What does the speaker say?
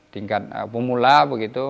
tingkat pemula begitu